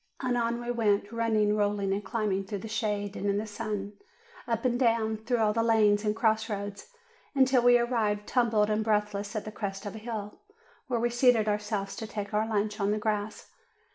And on we went, running, rolling, and climbing through the shade and in the sun, up and down, through all the lanes and cross roads, until we arrived tumbled and breath less at the crest of a hill, where we seated ourselves to take our lunch on the grass.